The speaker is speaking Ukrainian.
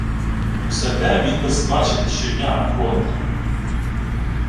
— Усе те міг би-с бачити щодня, архонте...